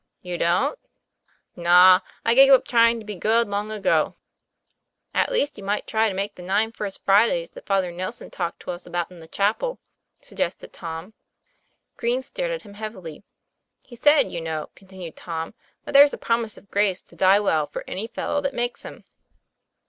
"You don't?" ' Naw; I gave up trying to be good long ago." 102 TOM PLA YFAIR. "At least, you might try to make the nine First Fridays that Father Nelson talked to us about in the chapel," suggested Tom. Green stared at him heavily. "He said, you know," continued Tom, "that there's a promise of grace to die well for any fellow that makes 'em."